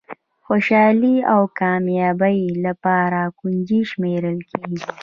خوشالي د کامیابۍ لپاره کونجي شمېرل کېږي.